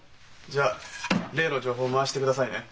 じゃあ例の情報回してくださいね。